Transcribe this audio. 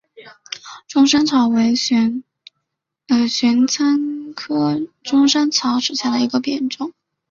钟山草为玄参科钟山草属下的一个种。